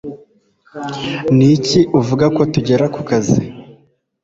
Niki uvuga ko tugera kukazi?